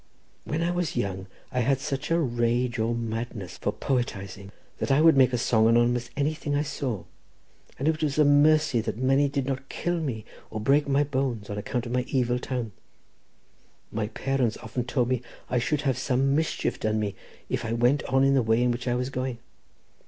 When I was young I had such a rage, or madness, for poetising, that I would make a song on almost anything I saw—and it was a mercy that many did not kill me, or break my bones, on account of my evil tongue. My parents often told me I should have some mischief done me if I went on in the way in which I was going.